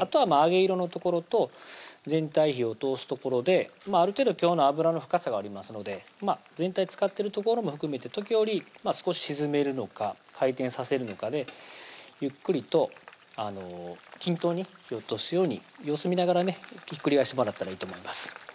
あとは揚げ色のところと全体火を通すところである程度今日の油の深さがありますので全体つかってる所も含めて時折少し沈めるのか回転させるのかでゆっくりと均等に火を通すように様子見ながらねひっくり返してもらったらいいと思います